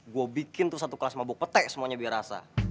gue bikin tuh satu kelas mabuk petai semuanya biar rasa